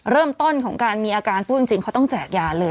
เริ่มต้นของการมีอาการพูดจริงเขาต้องแจกยาเลย